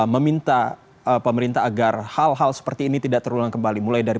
meminta pemerintah agar hal hal seperti ini tidak terulang kembali mulai dari